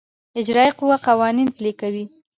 اجرائیه قوه قوانین پلي کوي